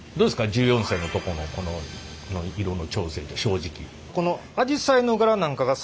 １４世のとこのこの色の調整って正直。